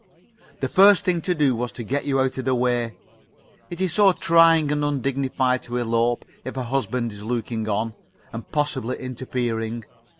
The first thing to do was to get you out of the way. It is so trying and undignified to elope if a husband is looking on, and possibly interfering.